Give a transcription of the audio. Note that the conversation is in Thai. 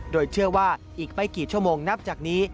โดยเชื่อว่าอีกไม่กี่ชั่วโมงนับจากนี้